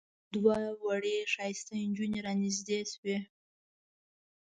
دوه وړې ښایسته نجونې را نږدې شوې.